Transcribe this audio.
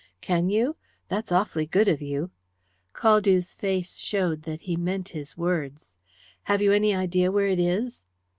"Can you? That's awfully good of you." Caldew's face showed that he meant his words. "Have you any idea where it is?"